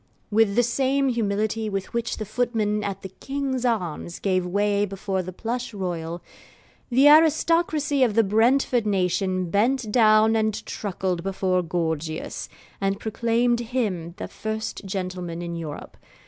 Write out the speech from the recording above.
With the same humility with which the footmen at the 'King's Arms' gave way before the Plush Royal, the aristocracy of the Brentford nation bent down and truckled before Gorgius, and proclaimed him the first gentleman in Europe.